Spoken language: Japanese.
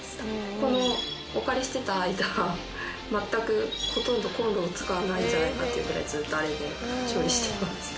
このお借りしていた間全くほとんどコンロを使わないんじゃないかというぐらいずっとあれで調理していました。